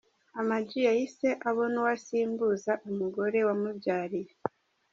Am G yahise abona uwo asimbuza umugore wamubyariye.